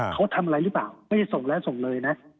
เขาทำอะไรหรือเปล่าไม่ได้ส่งแล้วส่งเลยนะ